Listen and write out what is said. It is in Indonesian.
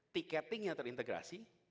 ticketing yang terintegrasi